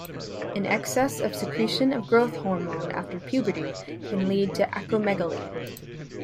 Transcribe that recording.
An excess of secretion of growth hormone after puberty can lead to acromegaly.